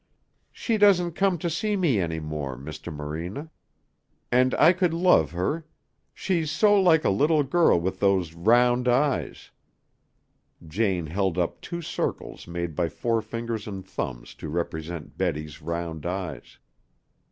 "She doesn't come to see me any more, Mr. Morena. And I could love her. She's so like a little girl with those round eyes " Jane held up two circles made by forefingers and thumbs to represent Betty's round eyes.